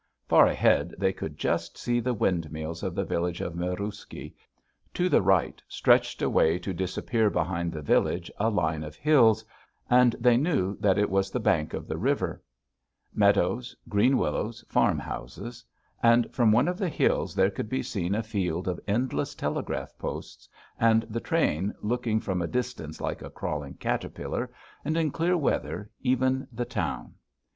Far ahead they could just see the windmills of the village of Mirousky, to the right stretched away to disappear behind the village a line of hills, and they knew that it was the bank of the river; meadows, green willows, farmhouses; and from one of the hills there could be seen a field as endless, telegraph posts, and the train, looking from a distance like a crawling caterpillar, and in clear weather even the town.